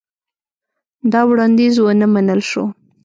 دا وړاندیز ونه منل شو.